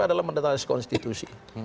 adalah mendatangkan konstitusi